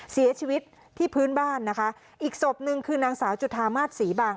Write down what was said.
เสียชีวิตที่พื้นบ้านนะคะอีกศพหนึ่งคือนางสาวจุธามาศศรีบาง